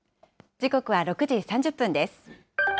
時刻は６時３０分です。